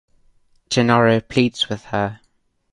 Gennaro pleads with her.